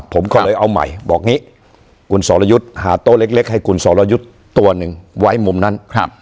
ผมก็เลยเอาใหม่บอกอย่างนี้คุณสรยุทธ์หาโต๊ะเล็กให้คุณสรยุทธ์ตัวหนึ่งไว้มุมนั้น